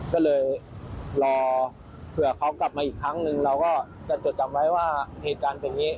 ก็เลยรอเผื่อเขากลับมาอีกครั้งหนึ่งเราก็จะจดจำไว้ว่าเหตุการณ์เป็นอย่างนี้